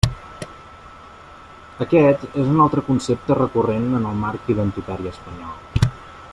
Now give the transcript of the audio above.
Aquest és un altre concepte recurrent en el marc identitari espanyol.